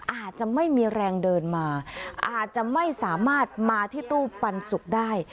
อาจจะไม่มีแรงเดินมาอาจจะไม่สามารถมาที่ตู้ปันสุกได้